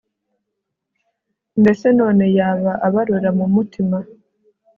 mbese none yaba abarora mu mutima